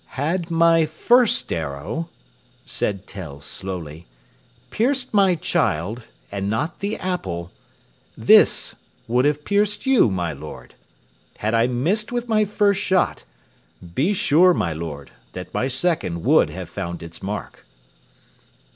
"Had my first arrow," said Tell slowly, "pierced my child and not the apple, this would have pierced you, my lord. Had I missed with my first shot, be sure, my lord, that my second would have found its mark."